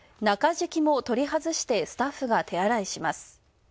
中敷きも取り外してスタッフが手洗いします。